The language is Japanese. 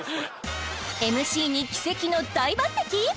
ＭＣに奇跡の大抜てき？